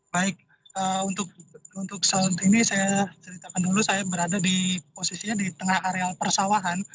baik untuk saat ini saya ceritakan dulu saya berada di posisinya di tengah areal persawahan